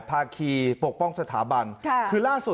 ภาคีปกป้องสถาบันค่ะคือล่าสุด